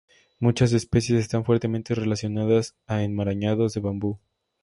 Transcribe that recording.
Muchas especies están fuertemente relacionadas a enmarañados de bambú.